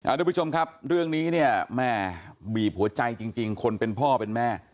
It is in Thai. ทุกผู้ชมครับเรื่องนี้เนี่ยแม่บีบหัวใจจริงคนเป็นพ่อเป็นแม่